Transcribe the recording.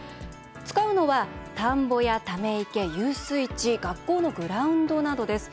使うのは田んぼや、ため池、遊水池学校のグラウンドなどです。